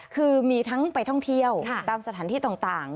คือมีทั้งไปท่องเที่ยวตามสถานที่ต่าง